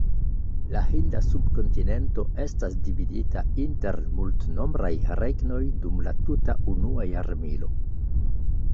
La Hinda subkontinento estas dividita inter multnombraj regnoj dum la tuta unua jarmilo.